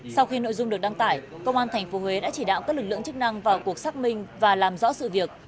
sau khi nội dung được đăng tải công an tp huế đã chỉ đạo các lực lượng chức năng vào cuộc xác minh và làm rõ sự việc